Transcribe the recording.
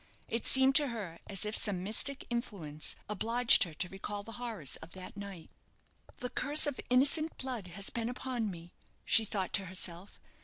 It seemed to her as if some mystic influence obliged her to recall the horrors of that night. "The curse of innocent blood has been upon me," she thought to herself.